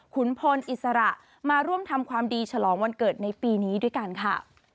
พลอิสระมาร่วมทำความดีฉลองวันเกิดในปีนี้ด้วยกันค่ะ